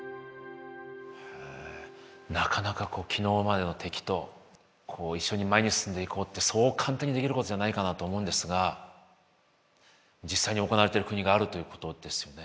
へえなかなかこう昨日までの敵と一緒に前に進んでいこうってそう簡単にできることじゃないかなと思うんですが実際に行われてる国があるということですよね。